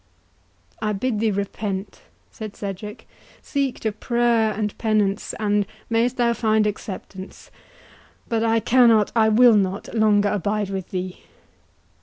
"I bid thee repent," said Cedric. "Seek to prayer and penance, and mayest thou find acceptance! But I cannot, I will not, longer abide with thee."